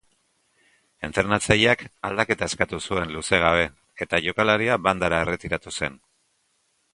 Entrenatzaileak aldaketa eskatu zuen luze gabe, eta jokalaria bandara erretiratu zen.